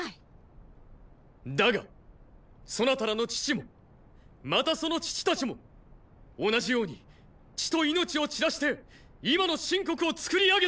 だがそなたらの父もまたその父たちも同じように血と命を散らして今の秦国を作り上げた。